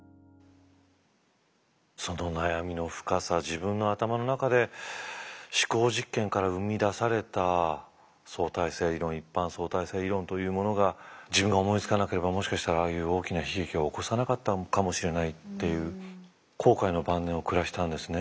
その悩みの深さ自分の頭の中で思考実験から生み出された相対性理論一般相対性理論というものが自分が思いつかなければもしかしたらああいう大きな悲劇を起こさなかったかもしれないっていう後悔の晩年を暮らしたんですね